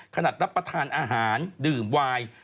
ขนาดรับประทานอาหารดื่มไวน์